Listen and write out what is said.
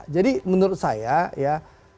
jadi menurut saya ya